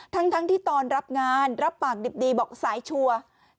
ทั้งที่ตอนรับงานรับปากดิบดีบอกสายชัวร์